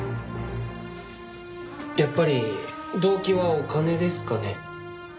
やっぱり動機はお金ですかね？